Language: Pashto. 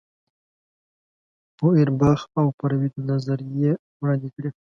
فوئرباخ او فروید نظریې وړاندې کړې.